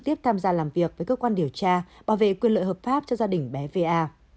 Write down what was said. tiếp tham gia làm việc với cơ quan điều tra bảo vệ quyền lợi hợp pháp cho gia đình bé va